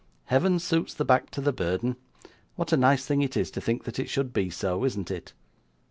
Heaven suits the back to the burden. What a nice thing it is to think that it should be so, isn't it?